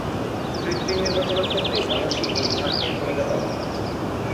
কৃত্রিম নির্বাচনের ক্ষেত্রে মানুষই এই "ছাকনি"-র ভূমিকা পালন করে।